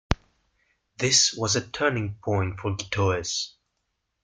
This was a turning point for Gittoes.